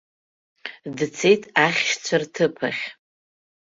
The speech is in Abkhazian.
Дцеит ахьшьцәа рҭыԥ ахь.